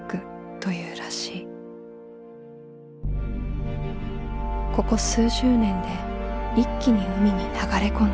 ここ数十年で一気に海に流れ込んできた。